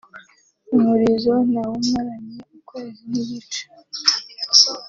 ” Umurizo nawumaranye ukwezi n’igice